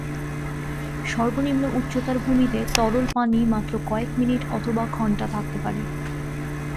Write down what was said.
সর্বনিম্ন উচ্চতার ভূমিতে তরল পানি মাত্র কয়েক মিনিট অথবা ঘণ্টা থাকতে পারে।